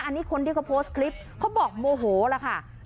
อันนี้คนที่เขาโพสต์คลิปเขาบอกโมโหล่ะค่ะ